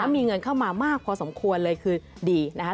มีเงินเข้ามามากพอสมควรเลยคือดีนะครับ